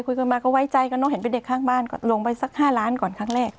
คุยกันมาก็ไว้ใจกันเนอะเห็นเป็นเด็กข้างบ้านก็ลงไปสัก๕ล้านก่อนครั้งแรก